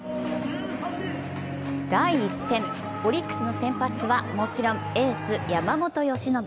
第１戦、オリックスの先発はもちろんエース・山本由伸。